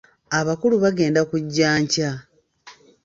Abakulu bagenda kuggya nkya.